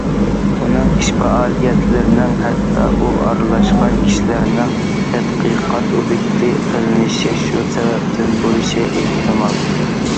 ئۇنىڭ ئىش- پائالىيەتلىرىنىڭ، ھەتتا ئۇ ئارىلاشقان كىشىلەرنىڭ تەتقىقات ئوبيېكتى قىلىنىشى شۇ سەۋەبتىن بولۇشى ئېھتىمال.